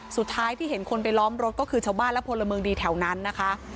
สุดท้ายที่เห็นคนไปล้อมรถก็คือชาวบ้านและพลเมืองดีแถวนั้นนะคะ